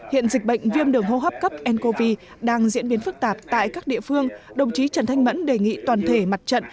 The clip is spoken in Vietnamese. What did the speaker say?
hiện dịch bệnh viêm đường hô hấp cấp ncov đang diễn biến phức tạp tại các địa phương đồng chí trần thanh mẫn đề nghị toàn thể mặt trận